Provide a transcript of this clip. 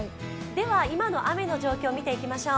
今の雨の状況を見ていきましょう。